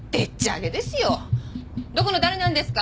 どこの誰なんですか？